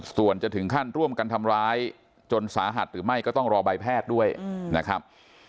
ส่วนจะถึงขั้นร่วมกันทำร้ายจนสาหัสหรือไม่ก็ต้องรอใบแพทย์ด้วยนะครับ